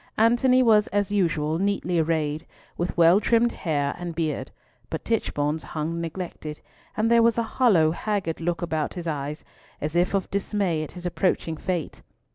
Antony was as usual neatly arrayed, with well trimmed hair and beard, but Tichborne's hung neglected, and there was a hollow, haggard look about his eyes, as if of dismay at his approaching fate.